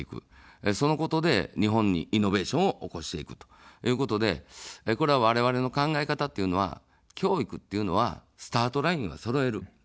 そのことで日本にイノベーションを起こしていくということで、これ、われわれの考え方というのは教育っていうのは、スタートラインをそろえる。